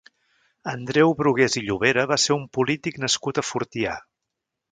Andreu Brugués i Llobera va ser un polític nascut a Fortià.